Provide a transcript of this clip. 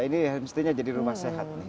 ini mestinya jadi rumah sehat nih